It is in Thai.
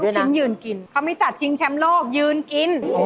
ลูกชิ้นยืนกินคำนี้จัดชิงแชมลอกยืนกิน